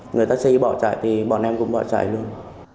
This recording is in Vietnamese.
người taxi bỏ chạy thì bọn em cũng bỏ chạy luôn